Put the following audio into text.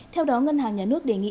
theo đó ngân hàng nhà nước đề nghị